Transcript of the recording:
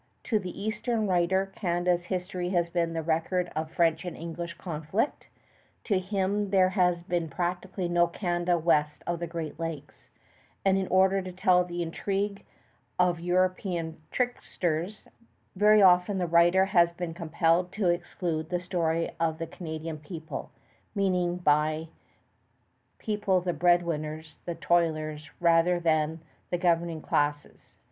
To the eastern writer, Canada's history has been the record of French and English conflict. To him there has been practically no Canada west of the Great Lakes; and in order to tell the intrigue of European tricksters, very often the writer has been compelled to exclude the story of the Canadian people, meaning by people the breadwinners, the toilers, rather than the governing classes.